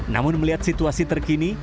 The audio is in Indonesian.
namun melihat situasi terkini